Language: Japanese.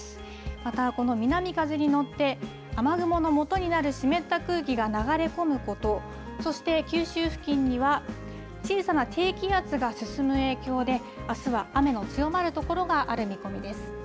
またこの南風に乗って、雨雲のもとになる湿った空気が流れ込むこと、そして九州付近には小さな低気圧が進む影響で、あすは雨の強まる所がある見込みです。